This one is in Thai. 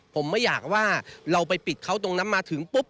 ผมไม่อยากว่าเราไปปิดเขาตรงนั้นมาถึงปุ๊บ